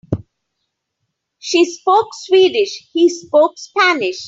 She spoke Swedish, he spoke Spanish.